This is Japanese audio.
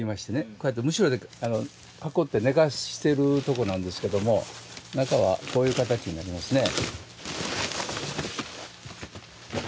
こうやってむしろで囲って寝かしてるとこなんですけども中はこういう形になりますね。